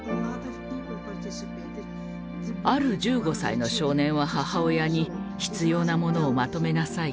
ある１５歳の少年は母親に「必要なものをまとめなさい。